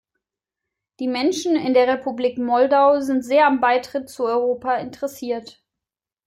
Die Menschen in der Republik Moldau sind sehr am Beitritt zu Europa interessiert.